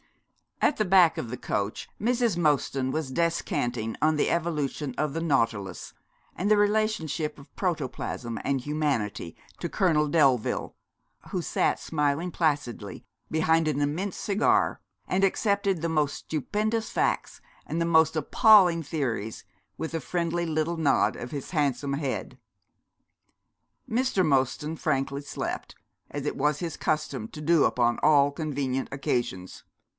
At the back of the coach Mrs. Mostyn was descanting on the evolution of the nautilus, and the relationship of protoplasm and humanity, to Colonel Delville, who sat smiling placidly behind an immense cigar, and accepted the most stupendous facts and the most appalling theories with a friendly little nod of his handsome head. Mr. Mostyn frankly slept, as it was his custom to do upon all convenient occasions.